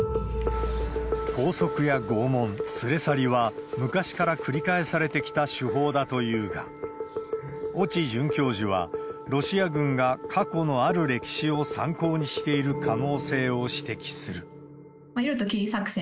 拘束や拷問、連れ去りは、昔から繰り返されてきた手法だというが、越智准教授はロシア軍が過去のある歴史を参考にしている可能性を夜と霧作戦。